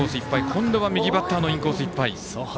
今度は右バッターのインコースいっぱい。